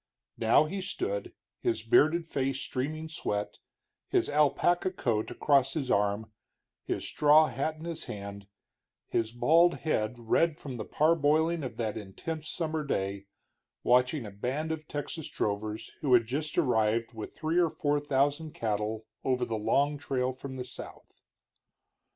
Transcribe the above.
Now he stood, his bearded face streaming sweat, his alpaca coat across his arm, his straw hat in his hand, his bald head red from the parboiling of that intense summer day, watching a band of Texas drovers who had just arrived with three or four thousand cattle over the long trail from the south.